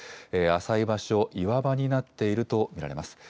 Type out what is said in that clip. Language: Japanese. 浅い場所、岩場になっていると見られます。